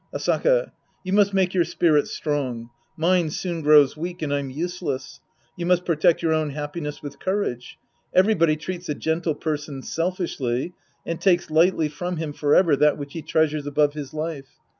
Asaka. You must make your spirit strong. Mine soon grows weak and I'm useless. You must protect your own happiness with courage. Everybody treats a gentle person selfishly and takes lightly from him forever that which he treasures above his life.